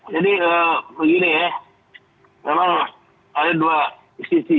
jadi begini ya memang ada dua sisi